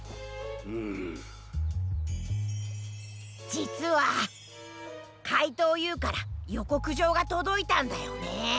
じつはかいとうＵからよこくじょうがとどいたんだよねー。